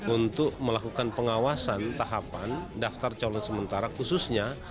untuk melakukan pengawasan tahapan daftar calon sementara khususnya